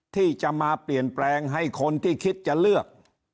ที่จะมาเปลี่ยนแปลงให้คนที่คิดจะเลือก